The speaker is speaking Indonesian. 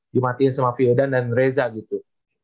dimatiin sama fiedan dan reza gitu